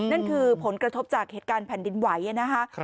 นั่นคือผลกระทบจากเหตุการณ์แผ่นดินไหวนะคะ